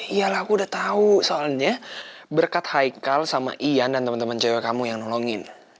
iya lah aku udah tau soalnya berkat haikal sama iyan dan temen temen cewek kamu yang nolongin